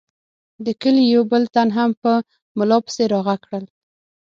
د کلي یو بل تن هم په ملا پسې را غږ کړل.